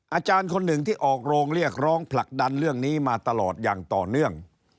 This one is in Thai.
อาจารย์คนหนึ่งที่ออกโรงเรียกร้องผลักดันเรื่องนี้มาตลอดอย่างต่อเนื่อง